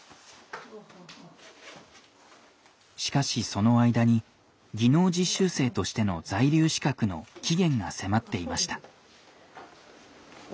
しかしその間に技能実習生としての在留資格の期限が迫っていました。